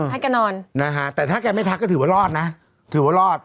ให้แกนอนนะฮะแต่ถ้าแกไม่ทักก็ถือว่ารอดนะถือว่ารอด